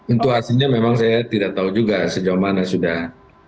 untuk hasilnya memang saya tidak tahu juga sejauh mana sudah